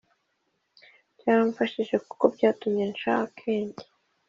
Byaramfashije kuko byatumye nsha akenge